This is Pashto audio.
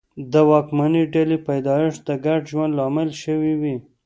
د واکمنې ډلې پیدایښت د ګډ ژوند لامل شوي وي.